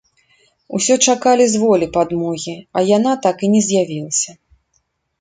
Усё чакалі з волі падмогі, а яна так і не з'явілася.